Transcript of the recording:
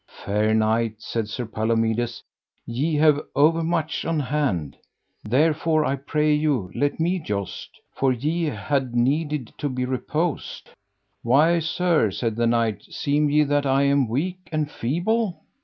Fair knight, said Sir Palomides, ye have overmuch on hand, therefore I pray you let me joust, for ye had need to be reposed. Why sir, said the knight, seem ye that I am weak and feeble?